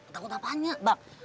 takut apaan ya mbak